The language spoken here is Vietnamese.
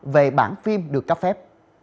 về bản phim được cấp phép